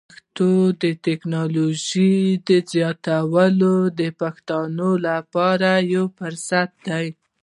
پښتو ته د ټکنالوژۍ ور زیاتول د پښتنو لپاره یو فرصت دی.